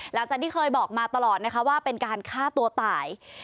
หลังจากที่เคยบอกมาตลอดนะคะว่าเป็นการฆ่าตัวตาย